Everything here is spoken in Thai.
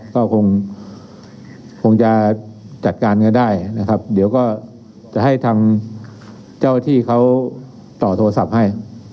ก็คงจะจัดการกันได้นะครับเดี๋ยวก็จะให้ทางเจ้าที่เขาต่อโทรศัพท์ให้